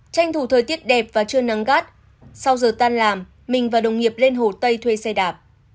tranh thủ thời tiết đẹp và chưa nắng gắt sau giờ tan làm mình và đồng nghiệp lên hồ tây thuê xe đạp